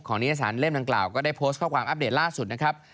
นิยสารเล่มดังกล่าวก็ได้โพสต์ข้อความอัปเดตล่าสุดนะครับ